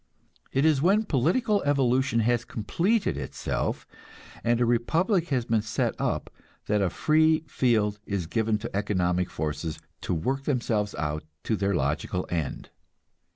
It is when political evolution has completed itself, and a republic has been set up, that a free field is given to economic forces to work themselves out to their logical end.